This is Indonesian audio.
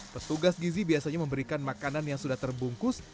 petugas gizi biasanya memberikan makanan yang sudah terbungkus